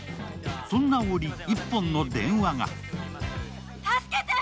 そんな折、１本の電話が。